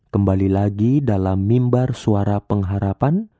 kembali lagi dalam mimbar suara pengharapan